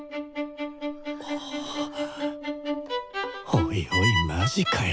おいおいマジかよ。